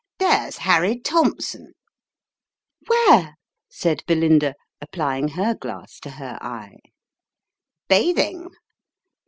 " There's Harry Thompson !"" Where ?" said Belinda, applying her glass to her eye. " Bathing."